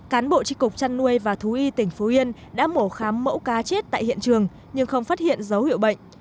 cán bộ tri cục trăn nuôi và thú y tỉnh phú yên đã mổ khám mẫu cá chết tại hiện trường nhưng không phát hiện dấu hiệu bệnh